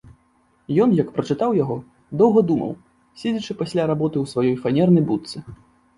Ён, як прачытаў яго, доўга думаў, седзячы пасля работы ў сваёй фанернай будцы.